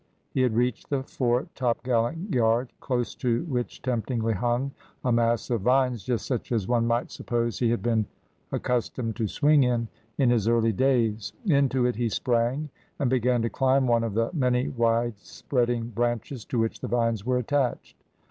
He had reached the fore topgallant yard, close to which temptingly hung a mass of vines just such as one might suppose he had been accustomed to swing in, in his early days: into it he sprang, and began to climb one of the many widespreading branches to which the vines were attached.